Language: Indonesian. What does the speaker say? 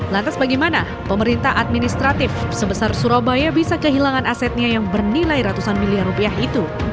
lantas bagaimana pemerintah administratif sebesar surabaya bisa kehilangan asetnya yang bernilai ratusan miliar rupiah itu